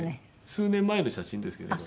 数年前の写真ですけどね。